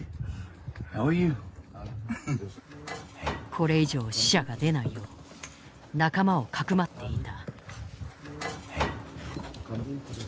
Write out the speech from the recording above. これ以上死者が出ないよう仲間をかくまっていた。